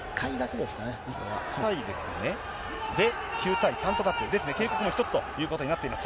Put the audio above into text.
で、９対３となって、警告の一つということになっています。